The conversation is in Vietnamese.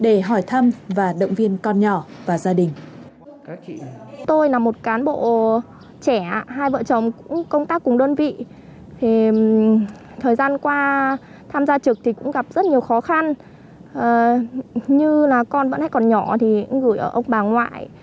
để hỏi thăm và động viên con nhỏ và gia đình